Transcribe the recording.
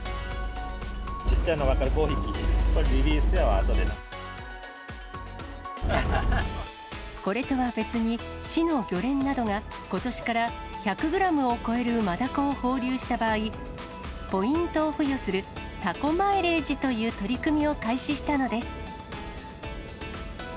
小っちゃいのばっかり、これとは別に、市の漁連などがことしから１００グラムを超えるマダコを放流した場合、ポイントを付与する、タコマイレージという取り組みを開始したのです。